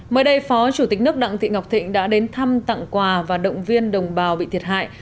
mới đây phó chủ tịch nước đặng thị ngọc thịnh đã đến thăm tặng quà và động viên đồng bào bị thiệt hại